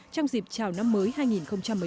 trong dịp chào năm mới hai nghìn một mươi chín